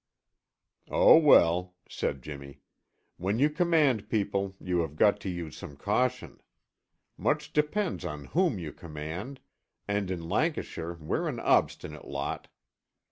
"Oh, well," said Jimmy, "when you command people, you have got to use some caution. Much depends on whom you command, and in Lancashire we're an obstinate lot.